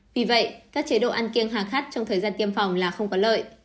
vì vậy các chế độ ăn kiêng hạ khát trong thời gian tiêm phòng là không có lợi